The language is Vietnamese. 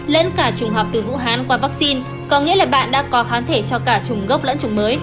lẫn cả trùng học từ vũ hán qua vaccine có nghĩa là bạn đã có kháng thể cho cả trùng gốc lẫn chủng mới